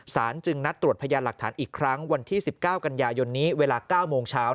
จึงนัดตรวจพยานหลักฐานอีกครั้งวันที่๑๙กันยายนนี้เวลา๙โมงเช้า